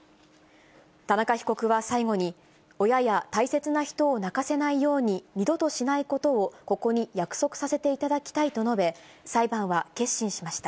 田中被告は最後に、親や大切な人を泣かせないように、二度としないことをここに約束させていただきたいと述べ、裁判は結審しました。